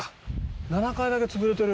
７階だけ潰れてる。